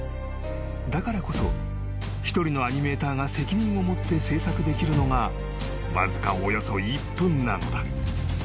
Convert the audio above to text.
［だからこそ一人のアニメーターが責任を持って制作できるのがわずかおよそ１分なのだ］